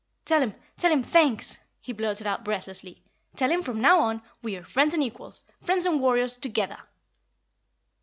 "Tell him, tell him THANKS!" he blurted out breathlessly. "Tell him from now on we are friends and equals, friends and warriors, together!"